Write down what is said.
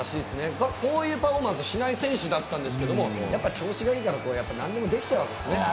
こういうパフォーマンスしない選手だったんですけれども、調子がいいと何でもできちゃうんですね。